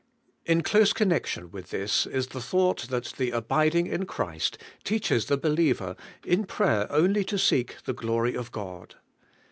In close connection with this is the thought, that the abiding in Christ teaches the believer in prayer only toseeh the glory of God.